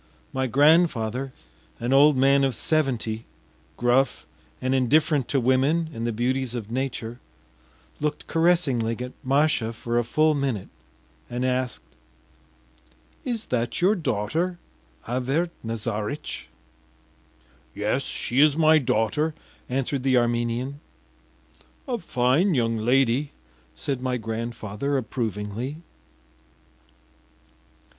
My grandfather, an old man of seventy, gruff and indifferent to women and the beauties of nature, looked caressingly at Masha for a full minute, and asked: “Is that your daughter, Avert Nazaritch?” “Yes, she is my daughter,” answered the Armenian. “A fine young lady,” said my grandfather approvingly.